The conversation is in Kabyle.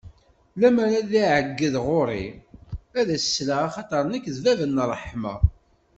Lemmer ad d-iɛeggeḍ ɣur-i, ad s-d-sleɣ, axaṭer nekk d bab n ṛṛeḥma.